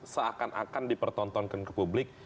seakan akan dipertontonkan ke publik